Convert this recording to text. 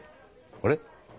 あれ？